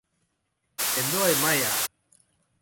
เห็นด้วย ไม่อ่ะ